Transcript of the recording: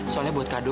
soalnya buat kado